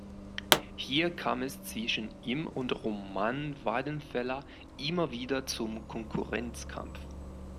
Hier kam es zwischen ihm und Roman Weidenfeller immer wieder zum Konkurrenzkampf.